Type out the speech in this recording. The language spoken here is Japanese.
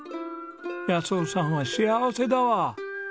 夫さんは幸せだわ！